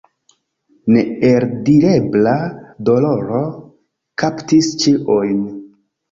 Neeldirebla doloro kaptis ĉiujn.